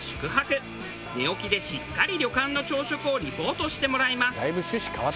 寝起きでしっかり旅館の朝食をリポートしてもらいます。